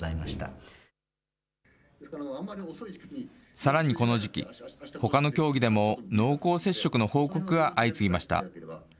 さらにこの時期、ほかの競技でも濃厚接触の報告が相次ぎました。